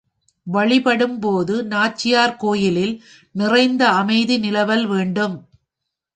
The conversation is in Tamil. வழிபடும்போது நாச்சியார் கோயிலில் நிறைந்த அமைதி நிலவல் வேண்டும்.